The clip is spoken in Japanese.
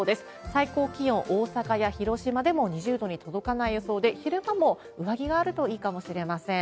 最高気温、大阪や広島でも２０度に届かない予想で、昼間も上着があるといいかもしれません。